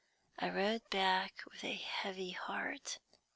I rode back with a heavy heart.